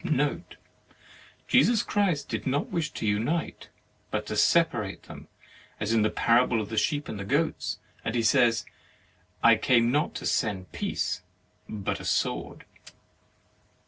Note. — Jesus Christ did not wish to unite but to separate them, as in the parable of sheep and goats; and 29 THE MARRIAGE OF He says :" I came not to send peace, but a sword."